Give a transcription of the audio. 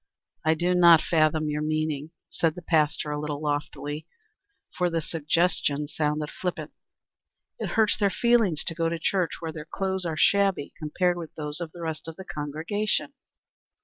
"I do not fathom your meaning," said the pastor, a little loftily, for the suggestion sounded flippant. "It hurts their feelings to go to a church where their clothes are shabby compared with those of the rest of the congregation."